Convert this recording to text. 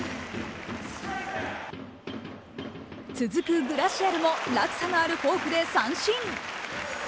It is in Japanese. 続くグラシアルも角度のあるフォークで三振。